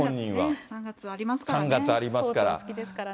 ３月ありますからね。